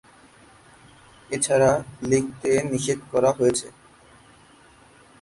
এছাড়া লিখতে নিষেধ করা হয়েছে।